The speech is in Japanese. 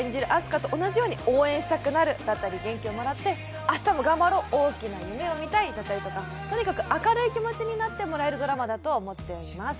花と一緒に応援してもらって、明日も頑張ろう、大きな夢を見たいだったりとか、とにかく明るい気持ちになってれらえるドラマだと思っています。